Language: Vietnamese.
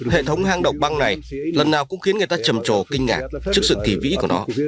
hệ thống hang động băng này lần nào cũng khiến người ta trầm trồ kinh ngạc trước sự kỳ vĩ của nó